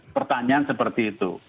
pertanyaan seperti itu